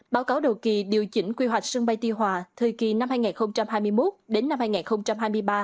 báo cáo đầu kỳ điều chỉnh quy hoạch sân bay tuy hòa thời kỳ năm hai nghìn hai mươi một đến năm hai nghìn hai mươi ba